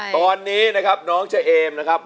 ตอนนี้นะครับน้องเจเอมนะครับ